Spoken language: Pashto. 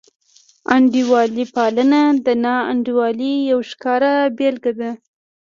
انډیوالي پالنه د ناانډولۍ یوه ښکاره بېلګه ده.